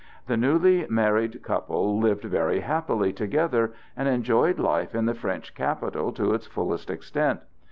The newly married couple lived very happily together, and enjoyed life in the French capital to its fullest extent.